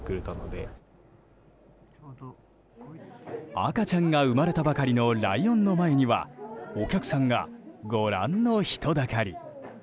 赤ちゃんが生まれたばかりのライオンの前にはお客さんがご覧の人だかり。